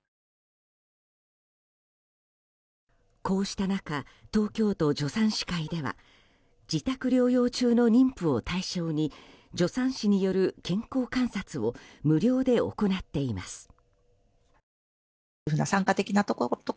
こうした中東京都助産師会では自宅療養中の妊婦を対象に助産師による健康観察を無料で行っています。